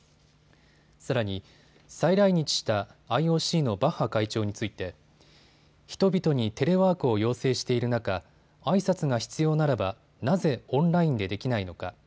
さらに、再来日したＩＯＣのバッハ会長について人々にテレワークを要請している中あいさつが必要ならばなぜオンラインでできないのか。